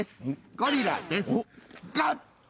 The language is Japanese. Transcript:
ゴリラです合体！